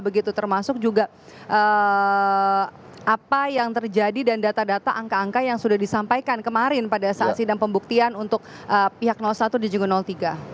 begitu termasuk juga apa yang terjadi dan data data angka angka yang sudah disampaikan kemarin pada saat sidang pembuktian untuk pihak satu dan juga tiga